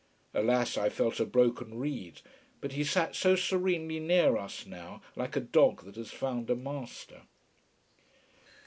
Alas, I felt a broken reed. But he sat so serenely near us, now, like a dog that has found a master.